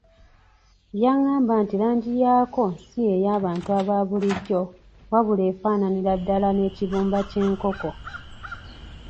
Yangamba nti langi yaako si ye y’abantu abaabulijjo wabula efaananira ddala n’ekibumba ky’enkoko.